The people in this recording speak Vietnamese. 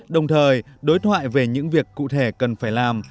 đồng thời đối thoại về những việc cụ thể cần phải làm